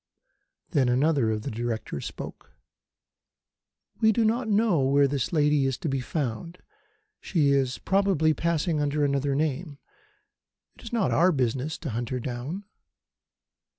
Then another of the Directors spoke. "We do not know where this lady is to be found. She is probably passing under another name. It is not our business to hunt her down."